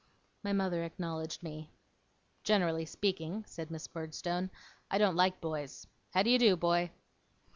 My mother acknowledged me. 'Generally speaking,' said Miss Murdstone, 'I don't like boys. How d'ye do, boy?